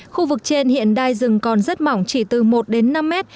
khu vực trên hiện đai rừng còn rất mỏng chỉ từ một đến năm mét